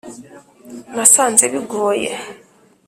nasanze bigoye!